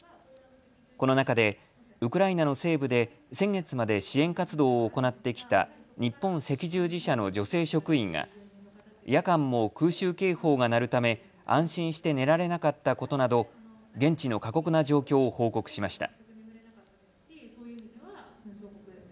この中でウクライナの西部で先月まで支援活動を行ってきた日本赤十字社の女性職員が夜間も空襲警報が鳴るため安心して寝られなかったことなど現地の過酷な状況を報告しました。